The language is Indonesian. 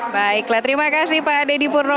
baiklah terima kasih pak deddy purnomo